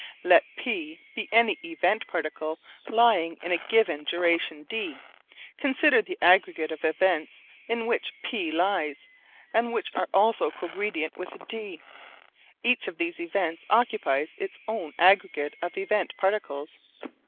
Let P be any event particle lying in a given duration d. Consider the aggregate of events in which P lies and which are also cogredient with d. Each of these events occupies its own aggregate of event particles.